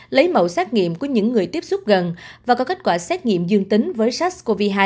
lấy mẫu xét nghiệm của những người tiếp xúc gần và có kết quả xét nghiệm dương tính với sars cov hai